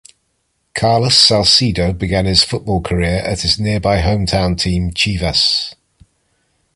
Carlos Salcido began his football career at his nearby home town team Chivas.